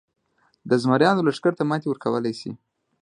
د زمریانو لښکر ته ماتې ورکولای شي.